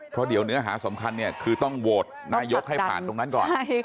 เพราะเดี๋ยวเนื้อหาสำคัญเนี่ยคือต้องโหวตนายกให้ผ่านตรงนั้นก่อน